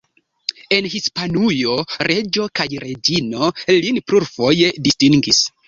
En Hispanujo reĝo kaj reĝino lin plurfoje distingis.